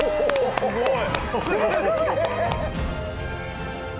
すごい。